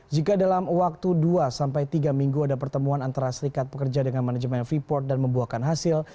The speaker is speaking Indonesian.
jika dalam waktu dua sampai tiga minggu ada pertemuan antara serikat pekerja dengan manajemen freeport dan membuahkan hasil